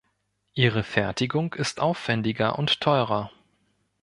Ihre Fertigung ist aufwändiger und teurer.